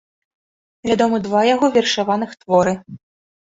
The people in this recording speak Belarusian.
Вядомы два яго вершаваных творы.